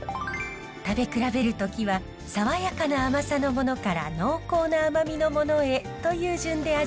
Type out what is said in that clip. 食べ比べる時は爽やかな甘さのものから濃厚な甘みのものへという順で味わうのがいいのだそう。